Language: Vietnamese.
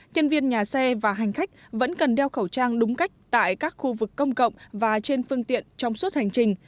chân viên nhà xe và hành khách vẫn cần đeo khẩu trang đúng cách tại các khu vực công cộng và trên phương tiện trong suốt hành trình